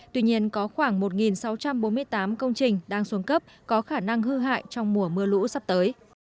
tuy nhiên có khoảng một sáu trăm bốn mươi tám công trình đang xuống cấp có khả năng hư hại trong mùa mưa lũ sắp tới